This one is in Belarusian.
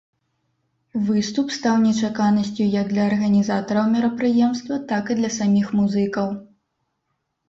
Выступ стаў нечаканасцю як для арганізатараў мерапрыемства, так і для саміх музыкаў.